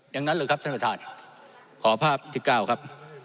อย่างนั้นเลยครับท่านประธานขอภาพที่เก้าครับ